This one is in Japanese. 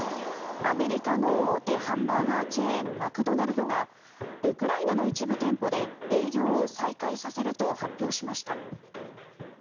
アメリカの大手ハンバーガーチェーンマクドナルドがウクライナの一部店舗で営業を再開させると発表しました。